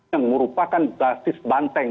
yang merupakan basis banteng